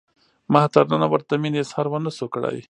ما تر ننه ورته د مینې اظهار ونشو کړای.